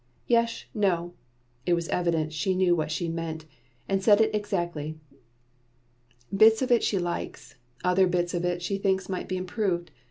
"Yesh. No." It was evident she knew what she meant, and said it exactly. Bits of it she likes, other bits she thinks might be improved.